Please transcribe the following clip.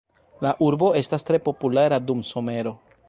La urbo estas tre populara dum somero.